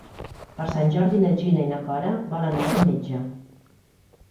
Per Sant Jordi na Gina i na Cora volen anar al metge.